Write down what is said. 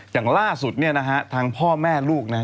อย่างอนุ่ที่ล่าสุดเนี่ยนะฮะทางพ่อแม่ลูกนะ